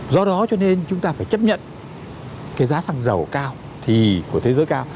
do đó cho nên chúng ta phải chấp nhận cái giá xăng dầu cao thì của thế giới cao